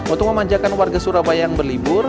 untuk memanjakan warga surabaya yang berlibur